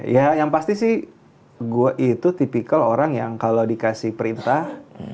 ya yang pasti sih gue itu tipikal orang yang kalau dikasih perintah